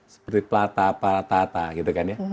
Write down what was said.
seperti plata patata gitu kan ya